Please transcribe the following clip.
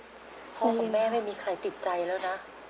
พ่อแม่ไม่มีใครติดใจแล้วนะ